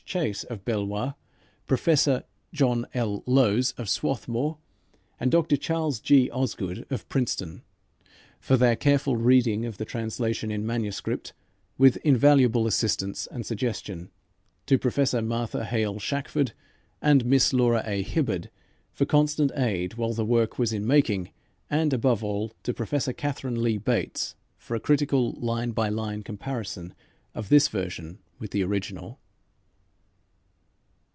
Chase of Beloit, Professor John L. Lowes of Swarthmore, and Dr. Charles G. Osgood of Princeton, for their careful reading of the translation in manuscript, with invaluable assistance and suggestion; to Professor Martha Hale Shackford, and Miss Laura A. Hibbard, for constant aid while the work was in making, and, above all, to Professor Katharine Lee Bates for a critical, line by line, comparison of this version with the original.